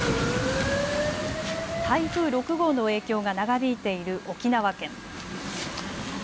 台風６号の影響が長引いている沖縄県。